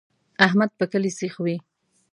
احمد په کلي سیخ وي.